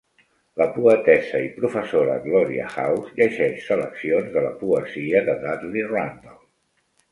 La poetessa i professora Gloria House llegeix seleccions de la poesia de Dudley Randall.